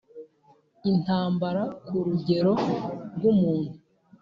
intambara kurugero rwumuntu!